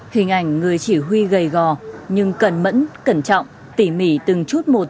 hình ảnh người chỉ huy gầy gò nhưng cẩn mẫn cẩn trọng tỉ mỉ từng chút một